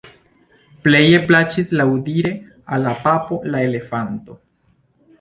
Pleje plaĉis laŭdire al la papo la elefanto.